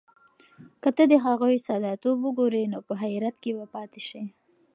که ته د هغوی ساده توب وګورې، نو په حیرت کې به پاتې شې.